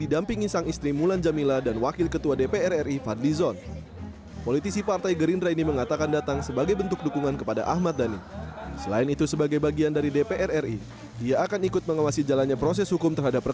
dan menurut saya harusnya kasus ini tidak perlu ada